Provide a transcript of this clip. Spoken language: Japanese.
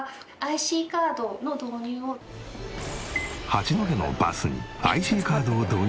八戸のバスにＩＣカードを導入したり。